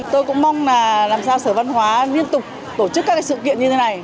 tôi cũng mong là làm sao sở văn hóa liên tục tổ chức các sự kiện như thế này